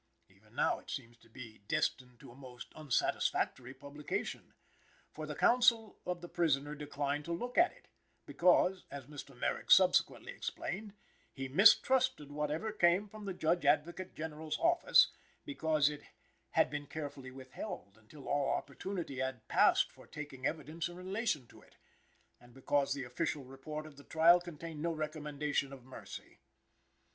Even now it seems to be destined to a most unsatisfactory publication. For the counsel of the prisoner decline to look at it, because (as Mr. Merrick subsequently explained), "he mistrusted whatever came from the Judge Advocate General's office;" because it "had been carefully withheld until all opportunity had passed for taking evidence in relation to it;" and because the official report of the trial contained no recommendation of mercy.